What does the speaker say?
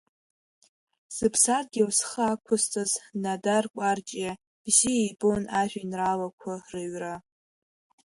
Зыԥсадгьыл зхы ақәызҵаз Нодар Кәарҷиа бзиа ибон ажәеинраалақәа рыҩра.